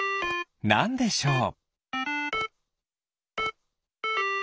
なんでしょう？